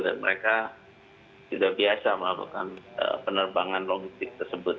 dan mereka tidak biasa melakukan penerbangan logistik